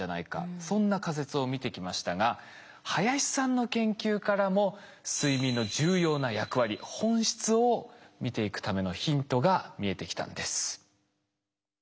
そんな仮説を見てきましたが林さんの研究からも睡眠の重要な役割本質を見ていくためのヒントが見えてきたんです。